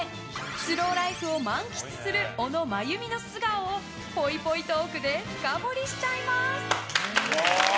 スローライフを満喫する小野真弓の素顔をぽいぽいトークで深掘りしちゃいます。